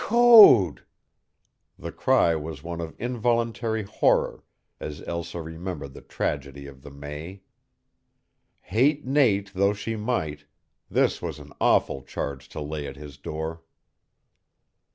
"Code!" The cry was one of involuntary horror as Elsa remembered the tragedy of the May. Hate Nate though she might, this was an awful charge to lay at his door.